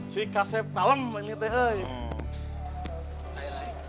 jika sepalam menyetai